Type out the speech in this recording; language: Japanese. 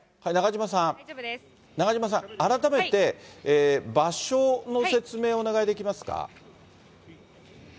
中島さん、改めて場所の説明をお願いできますか？